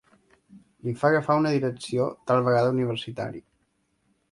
Li fa agafar una direcció, tal vegada universitària.